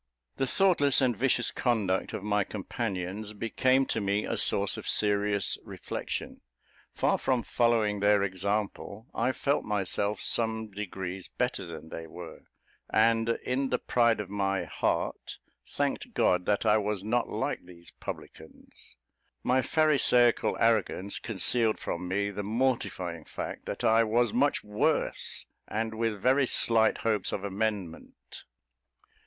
The thoughtless and vicious conduct of my companions became to me a source of serious reflection. Far from following their example, I felt myself some degrees better than they were; and in the pride of my heart thanked God that I was not like these publicans. My pharisaical arrogance concealed from me the mortifying fact that I was much worse, and with very slight hopes of amendment.